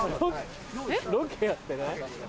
ロケやってない？えっ？